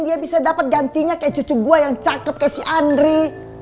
dia bisa dapat gantinya kayak cucu gue yang cakep kayak si andri